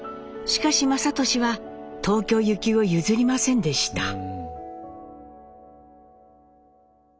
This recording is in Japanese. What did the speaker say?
しかし雅俊は東京行きを譲りませんでした。